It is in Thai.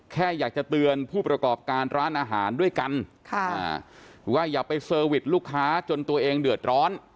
แค่อยากจะเตือนผู้ประกอบการร้านอาหารด้วยกันว่าอย่าไปเซอร์วิสลูกค้าจนตัวเองเดือดร้อน